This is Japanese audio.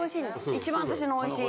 一番私のおいしい。